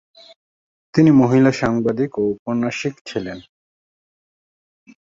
তিনি মহিলা সাংবাদিক ও ঔপন্যাসিক ছিলেন।